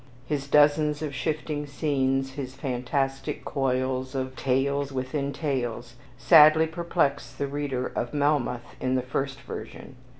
His dozens of shifting scenes, his fantastic coils of "tales within tales" sadly perplex the reader of "Melmoth" in the first version.